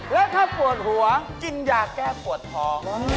และถ้าปวดหัวกินยาแก้ปวดท้อง